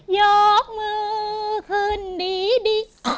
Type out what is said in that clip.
ยกมือขึ้นดี